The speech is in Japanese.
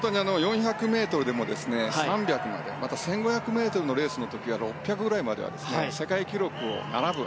４００ｍでも３００までまた１５００ｍのレースの時は６００ぐらいまでは世界記録に並ぶ